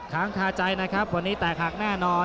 ค้างคาใจนะครับวันนี้แตกหักแน่นอน